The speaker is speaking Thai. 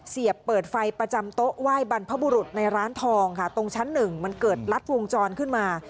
เสียบเปิดไฟประจำโต๊ะไหว้บรรพบุรุษในร้านทองค่ะตรงชั้นหนึ่งมันเกิดลัดวงจรขึ้นมา